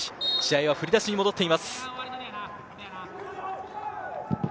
試合は振り出しに戻っています。